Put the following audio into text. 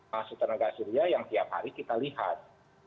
masuk tenaga surya yang tiap hari kita lihat